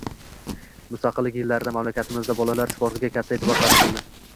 Mustaqillik yillarida mamlakatimizda bolalar sportiga katta e’tibor qaratildi